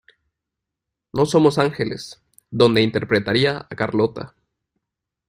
No somos ángeles", donde interpretaría a Carlota.